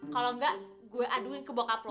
kalau enggak gue aduin ke bokap lo